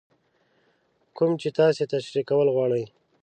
کوم چې تاسې تشرېح کول غواړئ.